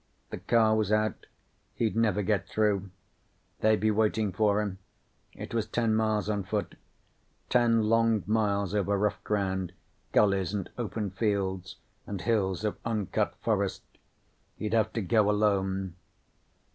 The car was out. He'd never get through. They'd be waiting for him. It was ten miles on foot. Ten long miles over rough ground, gulleys and open fields and hills of uncut forest. He'd have to go alone.